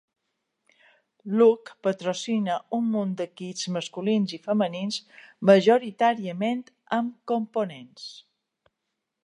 Look patrocina un munt d'equips masculins i femenins majoritàriament amb components.